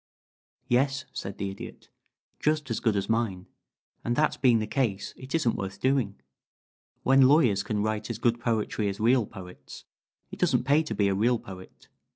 "Yes," said the Idiot. "Just as good as mine, and that being the case it isn't worth doing. When lawyers can write as good poetry as real poets, it doesn't pay to be a real poet.